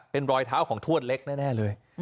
เป็นรอยเท้าของทวดเล็กแน่เลย